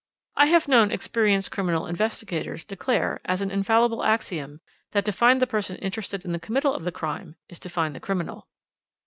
"I have known experienced criminal investigators declare, as an infallible axiom, that to find the person interested in the committal of the crime is to find the criminal.